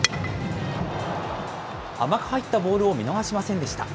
甘く入ったボールを見逃しませんでした。